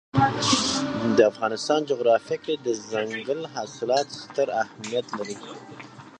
د افغانستان جغرافیه کې دځنګل حاصلات ستر اهمیت لري.